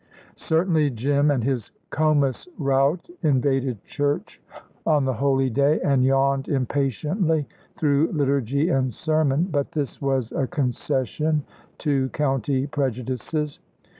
Certainly, Jim and his Comus rout invaded church on the holy day, and yawned impatiently through liturgy and sermon; but this was a concession to county prejudices.